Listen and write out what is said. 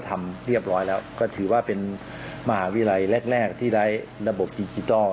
ที่ได้ระบบดิจิทัล